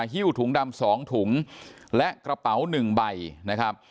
ฮิ้วถุงดำสองถุงและกระเป๋าหนึ่งใบนะครับ